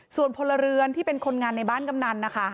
ส่วนพลเรือนที่เป็นคนงานในบ้านกำนันนะคะ